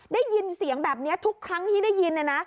ได้ยินเสียงแบบนี้ทุกครั้งที่ได้ยิน